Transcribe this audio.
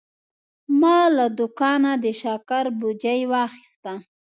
ما له دوکانه د شکر بوجي واخیسته.